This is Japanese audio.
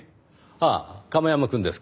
ああ亀山くんですか？